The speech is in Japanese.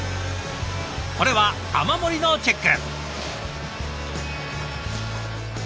これは雨漏りのチェック。